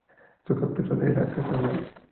Su capital era Casablanca.